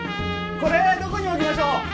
これどこに置きましょう？